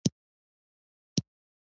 يو سات خپه يو سات خوشاله.